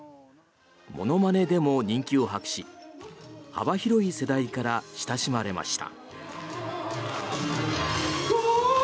ものまねでも人気を博し幅広い世代から親しまれました。